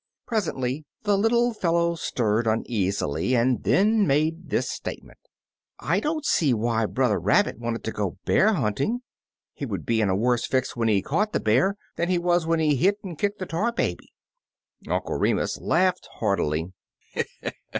Presently the little fellow stirred uneasily, and then made this statement. " I don't see why Brother Rab bit wanted to go bear hunting. He would be in a worse fix when he caught the bear than he was when he hit and kicked the tar baby." Uncle Remus laughed heartily.